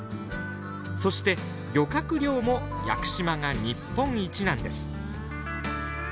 そして漁獲量も屋久島が日本一なんです。